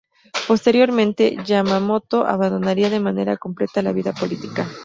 Posteriormente, Yamamoto abandonaría de manera completa la vida política.